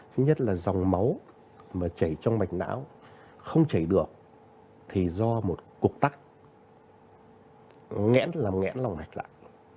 thứ nhất là dòng máu mà chảy trong mạch não không chảy được thì do một cục tắc nghẽn làm ngẽn lòng mạch lại